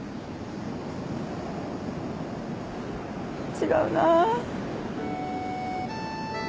違うな。